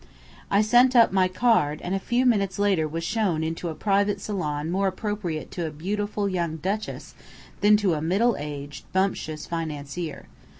I sent up my card, and a few minutes later was shown into a private salon more appropriate to a beautiful young duchess than to a middle aged, bumptious financier.